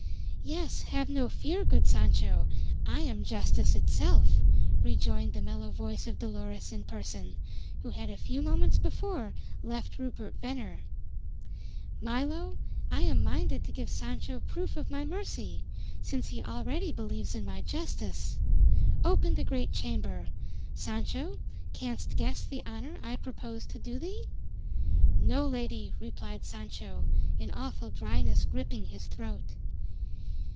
"Yes, have no fear, good Sancho. I am Justice itself!" rejoined the mellow voice of Dolores in person, who had a few moments before left Rupert Venner. "Milo, I am minded to give Sancho proof of my mercy, since he already believes in my justice. Open the great chamber. Sancho, canst guess the honor I propose to do thee?" "No, lady," replied Sancho, an awful dryness gripping his throat.